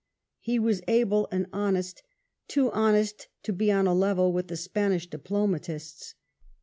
He was able and honest, — too honest to be on a level with the Spanish diplomatists.